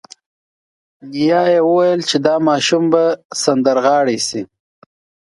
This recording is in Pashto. نیا یې وویل چې دا ماشوم به سندرغاړی شي